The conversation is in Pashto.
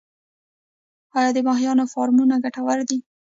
آیا د ماهیانو فارمونه ګټور دي؟